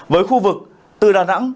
với khu vực từ đà nẵng